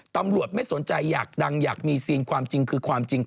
ตำรวจไม่สนใจอยากดังอยากมีซีนความจริงคือความจริง